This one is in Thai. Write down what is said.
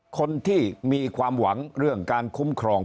คนที่มีความหวังเรื่องการคุ้มครอง